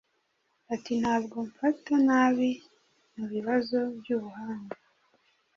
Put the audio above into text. Ati Ntabwo mfata nabi mubibazo byubuhanga